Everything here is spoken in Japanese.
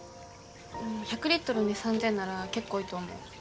１００リットルに３，０００なら結構いいと思う。